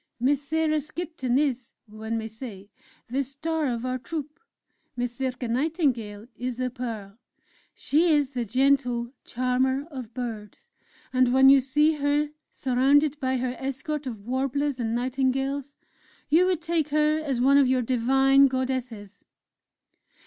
"Miss Sarah Skipton is, one may say, the Star of our Troupe; Miss Circé Nightingale is the Pearl! She is the gentle 'Charmer of Birds' and when you see her surrounded by her escort of warblers and nightingales, you would take her as one of your divine Goddesses!..."